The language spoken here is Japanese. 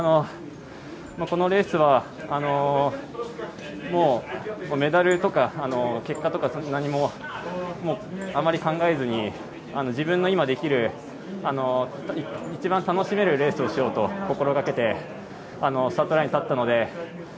このレースはメダルとか、結果とかあまり考えずに自分の今できる、一番楽しめるレースをしようと心がけて、スタートラインに立ったので。